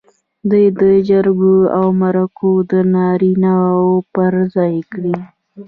دوی د جرګو او مرکو د نارینه و پر ځای دي.